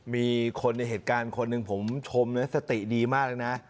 มีคนในเหตุการณ์คนหนึ่งผมชมนะสติดีมากเลยนะ